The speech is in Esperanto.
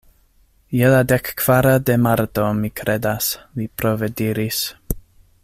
"Je la dekkvara de Marto, mi kredas," li prove diris.